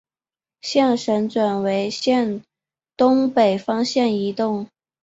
象神转为向东北方向移动。